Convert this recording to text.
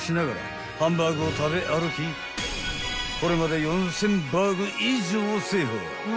［これまで４，０００バーグ以上を制覇］